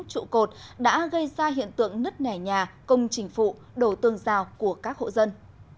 trụ cột đã gây ra hiện tượng nứt nẻ nhà công trình phụ đồ tương giao của các hộ dân